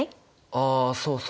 ああそうそう。